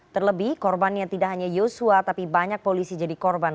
terlebih korbannya tidak hanya yosua tapi banyak polisi jadi korban